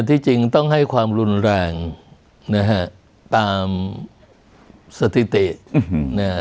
ที่จริงต้องให้ความรุนแรงนะฮะตามสถิติอืมนะฮะ